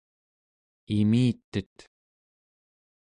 imitet